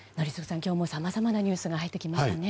今日もさまざまなニュースが入ってきましたね。